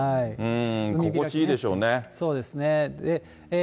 心地いいでしょうね。